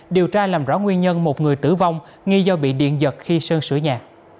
điều tra làm rõ nguyên nhân một người tử vong nghi do bị điện giật khi sơn sửa nhà